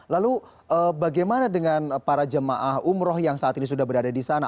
lalu bagaimana dengan para jemaah umroh yang saat ini sudah berada di sana